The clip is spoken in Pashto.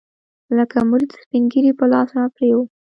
لکه مريد د سپينږيري په لاس راپرېوت.